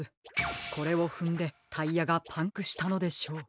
これをふんでタイヤがパンクしたのでしょう。